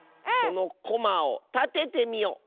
そのコマをたててみよ！